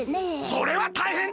それはたいへんだ！